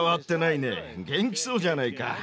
元気そうじゃないか。